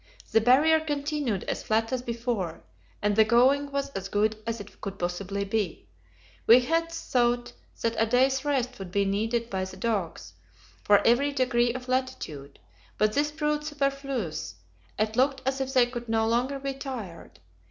The Barrier continued as flat as before, and the going was as good as it could possibly be. We had thought that a day's rest would be needed by the dogs for every degree of latitude, but this proved superfluous; it looked as if they could no longer be tired.